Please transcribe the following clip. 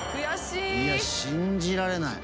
いや信じられない。